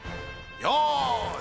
よし！